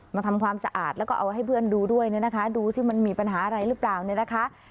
ทำความสะอาดแล้วก็เอาให้เพื่อนดูด้วยเนี่ยนะคะดูสิมันมีปัญหาอะไรหรือเปล่าเนี่ยนะคะ